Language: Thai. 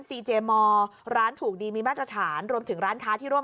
เจมอร์ร้านถูกดีมีมาตรฐานรวมถึงร้านค้าที่ร่วม